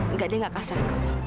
enggak deh enggak kasar